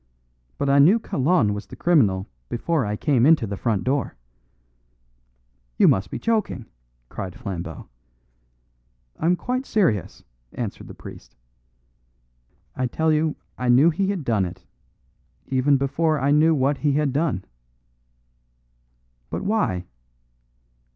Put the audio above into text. But I knew Kalon was the criminal before I came into the front door." "You must be joking!" cried Flambeau. "I'm quite serious," answered the priest. "I tell you I knew he had done it, even before I knew what he had done." "But why?"